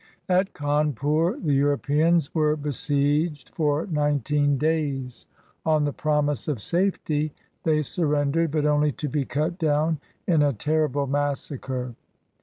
At Cawnpur, the Euro peans were besieged for nineteen days. On the promise of safety, they surrendered, but only to be cut down in a ter rible massacre.